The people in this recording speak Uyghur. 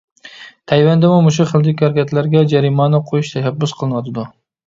تەيۋەندىمۇ مۇشۇ خىلدىكى ھەرىكەتلەرگە جەرىمانە قويۇش تەشەببۇس قىلىنىۋاتىدۇ.